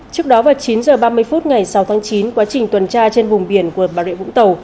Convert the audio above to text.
trước đó vào chín h ba mươi phút ngày sáu tháng chín quá trình tuần tra trên vùng biển của bà rịa vũng tàu